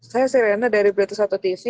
saya sirena dari berita satu tv